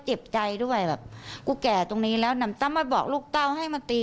เจ็บใจด้วยแบบกูแก่ตรงนี้แล้วนำเต้ามาบอกลูกเต้าให้มาตี